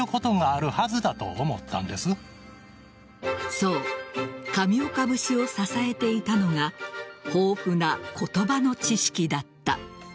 そう、上岡節を支えていたのが豊富な言葉の知識だった。